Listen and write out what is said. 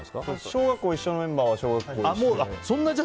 小学校が一緒のメンバーは小学校から一緒で。